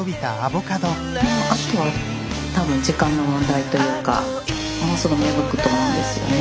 もうあとは多分時間の問題というかもうすぐ芽吹くと思うんですよね。